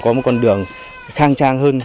có một con đường khang trang hơn